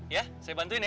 ya saya bantuin ya